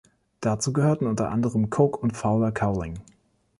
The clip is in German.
Dazu gehörten unter anderem Coke und Fowler Cowling.